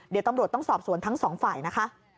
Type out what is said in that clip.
เดี๋ยวตำรวจต้องสอบสวนทั้งสองฝ่ายนะคะ